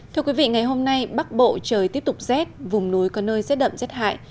thưa quý vị ngày hôm nay bắc bộ trời tiếp tục rét vùng núi có nơi rét đậm rét hại